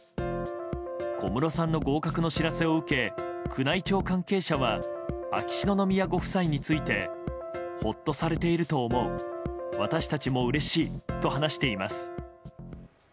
小室さんの合格の知らせを受け宮内庁関係者は秋篠宮ご夫妻についてほっとされていると思う私たちもうれしいと話しています。